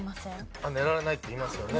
ああ寝られないって言いますよね。